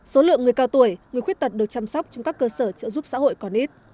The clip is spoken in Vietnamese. số lượng người cao tuổi người khuyết tật được chăm sóc trong các cơ sở trợ giúp xã hội còn ít